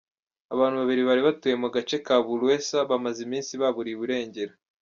Abantu babiri bari batuye mu gace ka Buleusa bamaze iminsi baburiwe irengero.